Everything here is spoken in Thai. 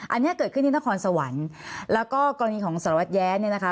อันนี้เกิดขึ้นที่นครสวรรค์แล้วก็กรณีของสารวัตรแย้เนี่ยนะคะ